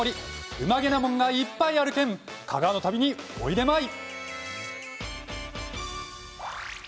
うまげなもんがいっぱいあるけん香川の旅に、おいでまい！